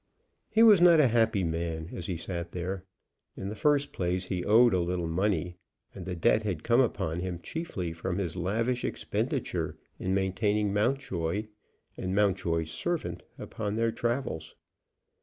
He was not a happy man as he sat there. In the first place he owed a little money, and the debt had come upon him chiefly from his lavish expenditure in maintaining Mountjoy and Mountjoy's servant upon their travels.